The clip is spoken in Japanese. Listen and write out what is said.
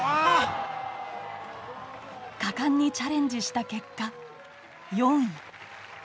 果敢にチャレンジした結果、４位。